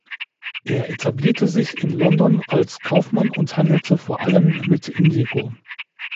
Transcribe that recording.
Er etablierte sich in London als Kaufmann und handelte vor allem mit Indigo.